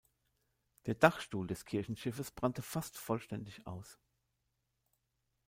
Der Dachstuhl des Kirchenschiffes brannte fast vollständig aus.